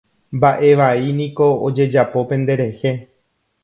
Mba'e vai niko ojejapo penderehe.